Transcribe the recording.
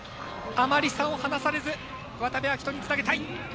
あまり差を離されず渡部暁斗につなげたい。